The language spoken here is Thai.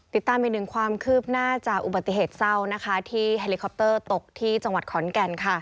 ติดตามอีกหนึ่งความคืบหน้าจากอุบัติเหตุเศร้าที่เฮลิคอปเตอร์ตกที่จังหวัดขอนแก่น